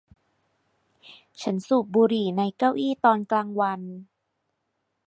ฉันสูบบุหรี่ในเก้าอี้ตอนกลางวัน